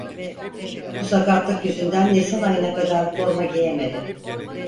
Bu sakatlık yüzünden Nisan ayına kadar forma giyemedi.